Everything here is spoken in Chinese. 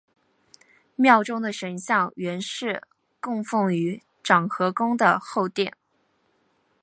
庙中的神像原是供奉于长和宫的后殿。